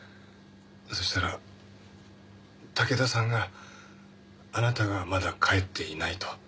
そしたら竹多さんがあなたがまだ帰っていないと。